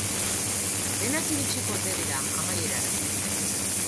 Denak iritsiko ote dira amaierara?